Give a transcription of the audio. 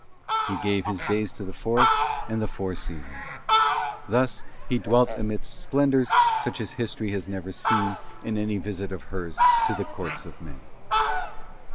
He gave his days to the forest and the four seasons. Thus he dwelt amidst splendours such as History has never seen in any visit of hers to the courts of men.